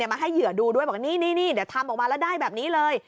มาให้เหยื่อดูด้วยบอกนี่เดี๋ยวทำออกมาแล้วได้แบบนี้เลย